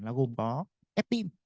là gồm có ép tim